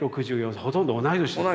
ほとんど同い年ですね。